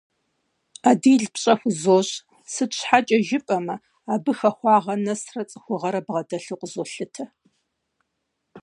Адил пщӀэ хузощӀ, сыт щхьэкӀэ жыпӀэмэ, абы хахуагъэ нэсрэ, цӏыхугъэрэ бгъэдэлъу къызолъытэ.